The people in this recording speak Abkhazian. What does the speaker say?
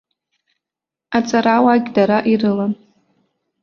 Аҵарауаагь дара ирылан.